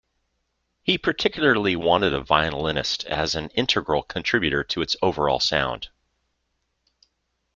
He particularly wanted a violinist as an integral contributor to its overall sound.